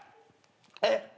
えっ？